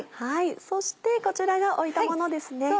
そしてこちらがおいたものですね。